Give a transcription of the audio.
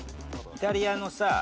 イタリアのさ